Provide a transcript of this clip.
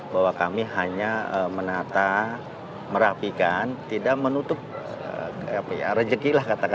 bahwa kami hanya menata merapikan tidak menutup rejeki lah